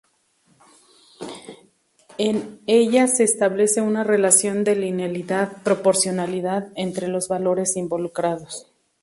En ella se establece una relación de linealidad, proporcionalidad, entre los valores involucrados.